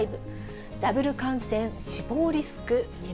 ダブル感染死亡リスク２倍。